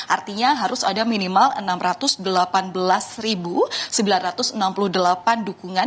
artinya harus ada minimal enam ratus delapan belas sembilan ratus enam puluh delapan dukungan